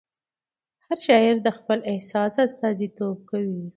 هر شاعر د خپل احساس استازیتوب کوي.